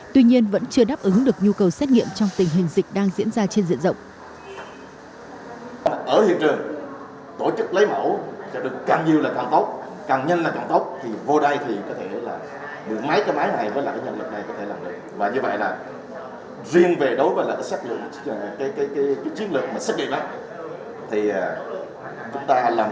tuy nhiên vẫn chưa đáp ứng được nhu cầu xét nghiệm trong tình hình dịch đang diễn ra trên diện rộng